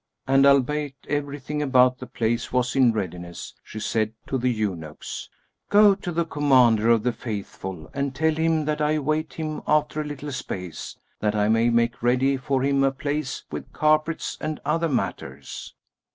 And albeit everything about the place was in readiness, she said to the eunuchs, "Go to the Commander of the Faithful and tell him that I await him after a little space, that I may make ready for him a place with carpets and other matters."